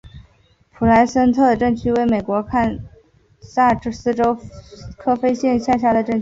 普莱森特镇区为美国堪萨斯州科菲县辖下的镇区。